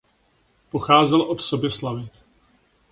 Pocházel od Soběslavi.